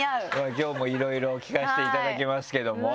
今日もいろいろ聞かせていただきますけども。